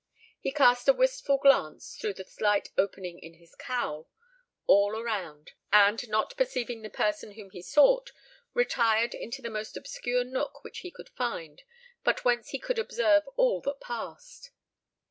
He cast a wistful glance, through the slight opening in his cowl, all around; and, not perceiving the person whom he sought, retired into the most obscure nook which he could find, but whence he could observe all that passed.